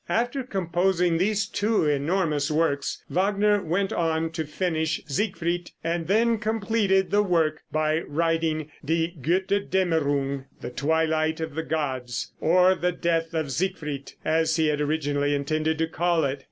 After composing these two enormous works, Wagner went on to finish "Siegfried," and then completed the work by writing "Die Götterdämmerung" ("The Twilight of the Gods"), or, "The Death of Siegfried," as he had originally intended to call it.